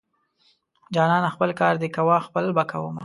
جانانه خپل کار دې کوه خپل به کوومه.